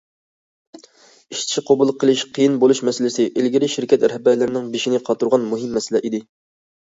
ئىشچى قوبۇل قىلىش قىيىن بولۇش مەسىلىسى ئىلگىرى شىركەت رەھبەرلىرىنىڭ بېشىنى قاتۇرغان مۇھىم مەسىلە ئىدى.